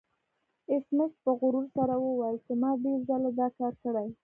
ایس میکس په غرور سره وویل چې ما ډیر ځله دا کار کړی